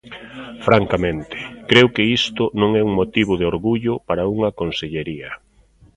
Francamente, creo que isto non é un motivo de orgullo para unha consellería.